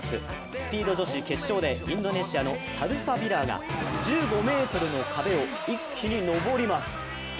スピード女子決勝でインドネシアのサルサビラーが１５ｍの壁を一気に登ります。